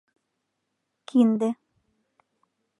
Кинде